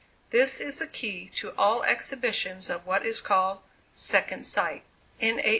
This is the key to all exhibitions of what is called "second sight."